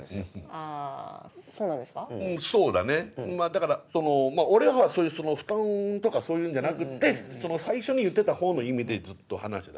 だからその俺は負担とかそういうんじゃなくて最初に言ってたほうの意味でずっと話してたからね。